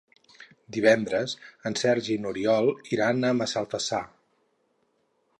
Divendres en Sergi i n'Oriol iran a Massalfassar.